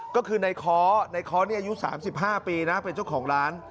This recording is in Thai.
ก็คือในค้อในค้อนี่อายุ๓๕ปีนะเป็นเจ้าของร้าน